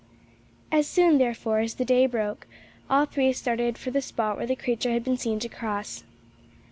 As soon, therefore, as the day broke, all three started for the spot where the creature had been seen to cross.